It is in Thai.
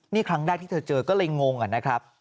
นี่ครั้งแรกที่เธอเจอก็เลยงงนะครับ